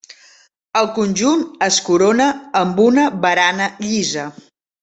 El conjunt es corona amb una barana llisa.